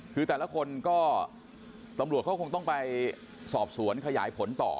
คือแต่ละคนก็ตำรวจเขาคงต้องไปสอบสวนขยายผลต่อ